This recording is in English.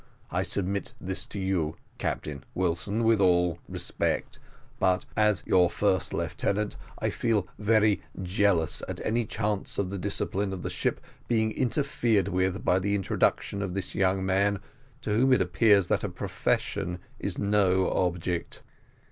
I submit this to you, Captain Wilson, with all respect; but as your first lieutenant, I feel very jealous at any chance of the discipline of the ship being interfered with by the introduction of this young man, to whom it appears that a profession is no object."